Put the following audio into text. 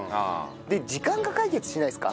で時間が解決しないですか？